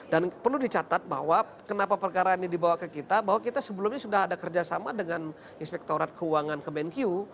dan perlu dicatat bahwa kenapa perkara ini dibawa ke kita bahwa kita sebelumnya sudah ada kerjasama dengan inspektorat keuangan kemenkiu